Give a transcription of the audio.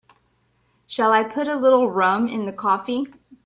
Shall I put a little rum in the coffee?